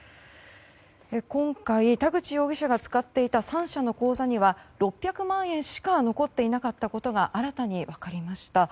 今回、田口容疑者が使っていた３社の口座には６００万円しか残っていないことが新たに分かりました。